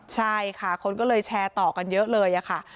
ใช่ค่ะคนก็เลยแชร์ต่อกันเยอะเลยค่ะ